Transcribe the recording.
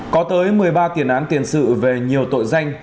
có tới một mươi ba tiền án tiền sự về nhiều tội danh